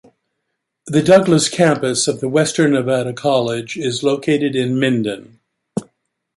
The Douglas campus of the Western Nevada College is located in Minden.